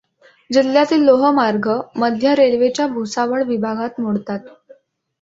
जिल्ह्यातील लोहमार्ग मध्य रेल्वेच्या भुसावळ विभागात मोडतात.